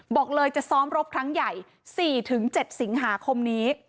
บอกเลยจะซ้อมรบครั้งใหญ่๔๗สิงหาคมนี้